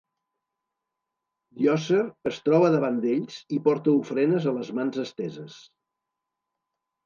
Djoser es troba davant d'ells i porta ofrenes a les mans esteses.